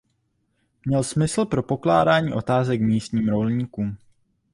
Měl smysl pro pokládání otázek místním rolníkům.